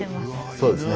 そうですね。